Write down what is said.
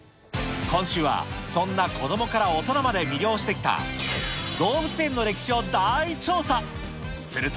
今週は、そんな子どもから大人まで魅了してきた、動物園の歴史を大調査。